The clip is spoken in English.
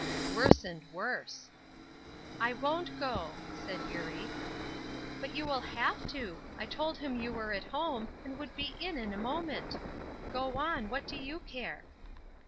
Worse and worse. "I won't go," said Eurie. "But you will have to. I told him you were at home, and would be in in a moment. Go on, what do you care?"